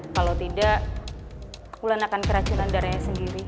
kalau tidak bulan akan keracunan darahnya sendiri